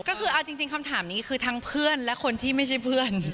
ก็คือเอาจริงคำถามนี้คือทั้งเพื่อนและคนที่ไม่ใช่เพื่อน